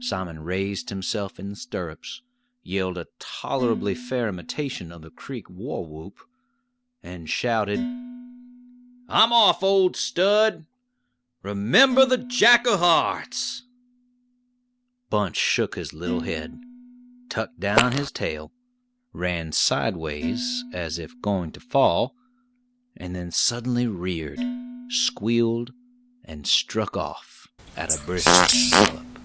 Simon raised himself in the stirrups, yelled a tolerably fair imitation of the Creek war whoop, and shouted: "I'm off, old stud! Remember the Jack a hearts!" Bunch shook his little head, tucked down his tail, ran sideways, as if going to fall, and then suddenly reared, squealed, and struck off at a brisk gallop.